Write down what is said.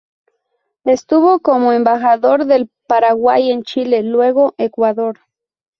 Estuvo como embajador del Paraguay en Chile, luego Ecuador.